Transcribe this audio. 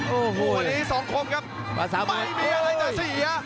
โอ้โหวันนี้สองคนครับภาษาไม่มีอะไรจะเสีย